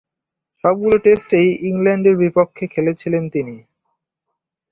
সবগুলো টেস্টই ইংল্যান্ডের বিপক্ষে খেলেছিলেন তিনি।